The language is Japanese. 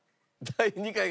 第２回！？